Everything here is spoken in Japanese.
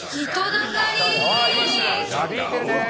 なびいてるね。